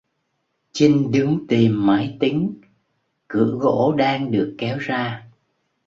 Chinh đứng Tìm máy tính cửa gỗ đang được kéo ra